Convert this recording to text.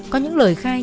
có những lời khai